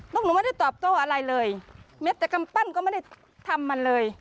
หนูไม่ได้ตอบโต้อะไรเลยแม้แต่กำปั้นก็ไม่ได้ทำมันเลย